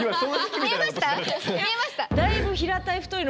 見えました？